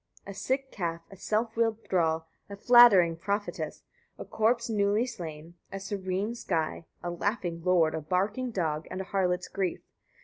A sick calf, a self willed thrall, a flattering prophetess, a corpse newly slain, [a serene sky, a laughing lord, a barking dog, and a harlot's grief]; 88.